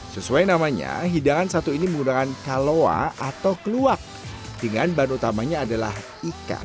sesuai namanya hidangan satu ini menggunakan kaloa atau kluwak dengan bahan utamanya adalah ikan